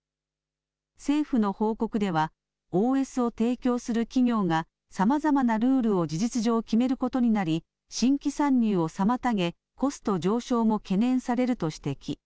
政府の報告ではＯＳを提供する企業がさまざまなルールを事実上決めることになり新規参入を妨げコストの上昇も懸念されると指摘。